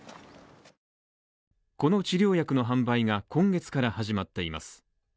この治療薬の販売が今月から始まっています。